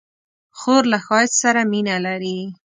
خور له ښایست سره مینه لري.